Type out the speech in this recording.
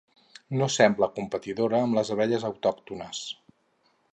No sembla competidora amb les abelles autòctones.